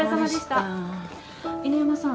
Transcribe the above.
犬山さん